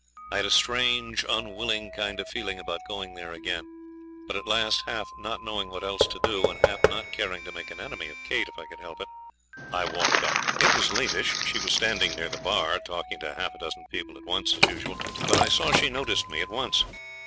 I had a strange, unwilling kind of feeling about going there again; but at last, half not knowing what else to do, and half not caring to make an enemy of Kate, if I could help it, I walked up. It was latish. She was standing near the bar, talking to half a dozen people at once, as usual; but I saw she noticed me at once.